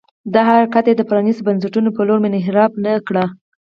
دا حرکت یې د پرانيستو بنسټونو په لور منحرف نه کړ.